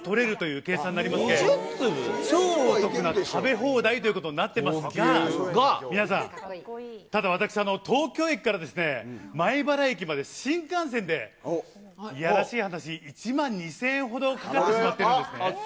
超お得な食べ放題ということになってますが、皆さん、ただ私、東京駅から米原駅まで新幹線で、いやらしい話、１万２０００円ほどかかってしまってるんですね。